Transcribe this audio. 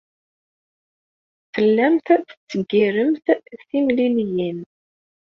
Tellamt tettseggiremt timliliyin.